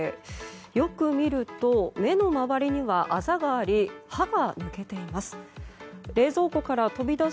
よく見ると目の周りにはあざがあり歯が抜けています。